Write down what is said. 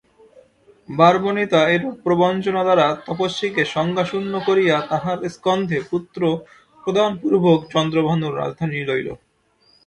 বারবনিতা এইরূপ প্রবঞ্চনা দ্বারা তপস্বীকে সংজ্ঞাশূন্য করিয়া তাঁহার স্কন্ধে পুত্র প্রদানপূর্বক চন্দ্রভানুর রাজধানী লইল।